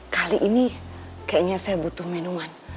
kali ini kayaknya saya butuh minuman